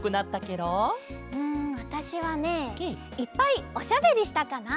うんわたしはねいっぱいおしゃべりしたかな。